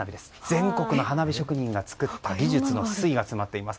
全国の花火職人が作った技術が詰まっています。